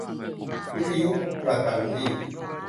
วิทยุประจำที่